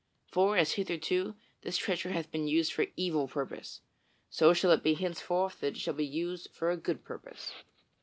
For, as hitherto this treasure hath been used for evil purpose, so shall it be henceforth that it shall be used to good purpose."